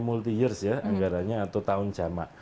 multi years ya anggarannya atau tahun jamak